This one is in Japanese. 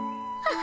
あ。